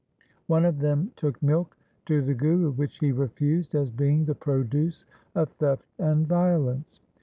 One of them took milk to the Guru which he refused as being the produce of theft and violence.